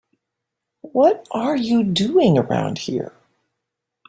What are you doing around here?